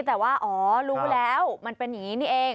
แต่ว่าอ๋อรู้แล้วมันเป็นอย่างนี้นี่เอง